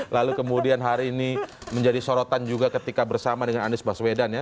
lalu kemudian hari ini menjadi sorotan juga ketika bersama dengan anies baswedan ya